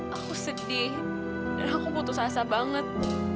aku sedih dan aku butuh asa banget